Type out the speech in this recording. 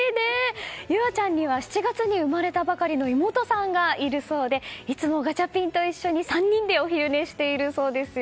ゆあちゃんには７月に生まれたばかりの妹さんがいるそうでいつもガチャピンと一緒に３人でお昼寝しているそうです。